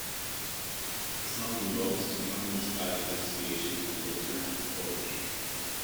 The song invokes strong nostalgic associations with the term Poruchik.